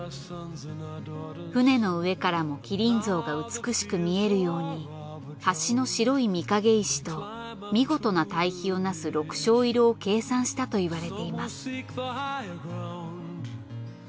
船の上からも「麒麟像」が美しく見えるように橋の白い御影石と見事な対比をなす緑青色を計算したといわれています。